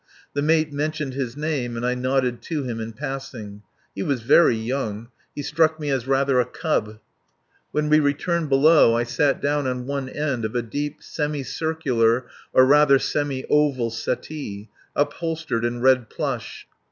The mate mentioned his name and I nodded to him in passing. He was very young. He struck me as rather a cub. When we returned below, I sat down on one end of a deep, semi circular, or, rather, semi oval settee, upholstered in red plush.